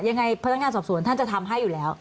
ยังไงพนักงานสอบสวนท่านจะทำให้อยู่แล้ว